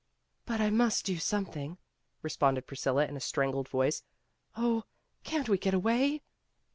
''But I must do something," responded Pris cilla in a strangled voice. "Oh, can't we get away?"